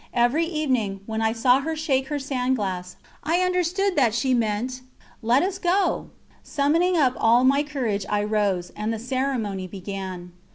Every evening, when I saw her shake her sand glass, I understood that she meant: "Let us go!" Summoning up all my courage I rose, and the ceremony began.